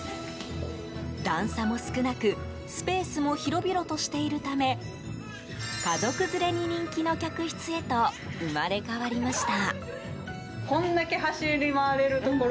段差も少なくスペースも広々としているため家族連れに人気の客室へと生まれ変わりました。